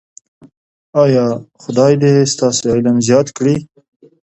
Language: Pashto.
ایا خدای دې ستاسو علم زیات کړي؟